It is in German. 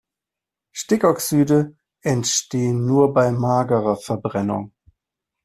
Stickoxide entstehen nur bei magerer Verbrennung.